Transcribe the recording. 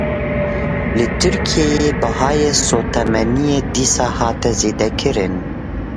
Li Tirkiyeyê bihayê sotemeniyê dîsa hat zêdekirin.